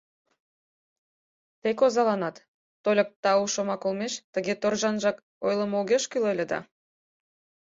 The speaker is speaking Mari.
Тек озаланат, тольык «тау» шомак олмеш тыге торжанжак ойлымо огеш кӱл ыле да...